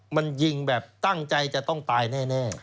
มันยิงแบบตั้งใจจะต้องตายแน่